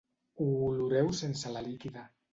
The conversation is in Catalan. Ho oloreu sense la líquida.